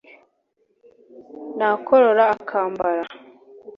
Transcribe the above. nakorora akambara